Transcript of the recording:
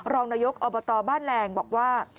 รองนายกอบตบ้านแรงบอกว่า